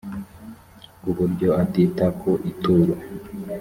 ku buryo atita ku ituro